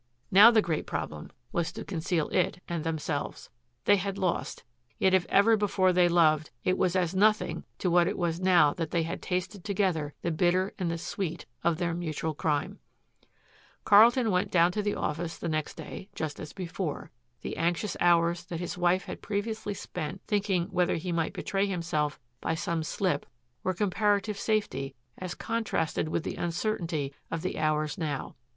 Now the great problem was to conceal it and themselves. They had lost, yet if ever before they loved, it was as nothing to what it was now that they had tasted together the bitter and the sweet of their mutual crime. Carlton went down to the office the next day, just as before. The anxious hours that his wife had previously spent thinking whether he might betray himself by some slip were comparative safety as contrasted with the uncertainty of the hours now.